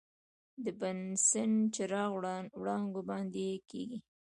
د بنسن چراغ وړانګو باندې یې کیږدئ.